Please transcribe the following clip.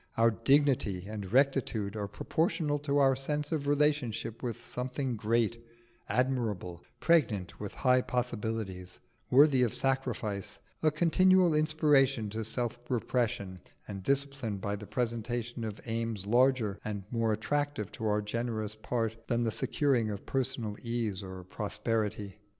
Our dignity and rectitude are proportioned to our sense of relationship with something great, admirable, pregnant with high possibilities, worthy of sacrifice, a continual inspiration to self repression and discipline by the presentation of aims larger and more attractive to our generous part than the securing of personal ease or prosperity.